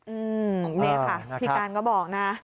อืมนี่ค่ะพี่การก็บอกนะ